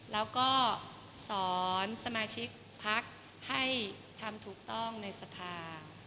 แล้วก็สอนสมาชิกพักให้ทำถูกต้องในสภา